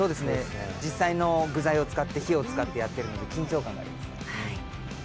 実際の具材を使って、火を使ってやっているので緊張感があります。